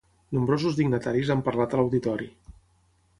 Nombrosos dignataris han parlat a l'Auditori.